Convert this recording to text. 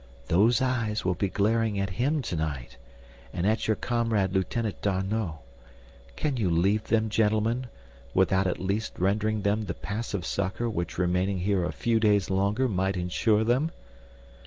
"Those eyes will be glaring at him to night, and at your comrade Lieutenant D'Arnot. Can you leave them, gentlemen, without at least rendering them the passive succor which remaining here a few days longer might insure them?"